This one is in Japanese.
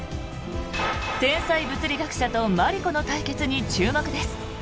天才物理学者とマリコの対決に注目です。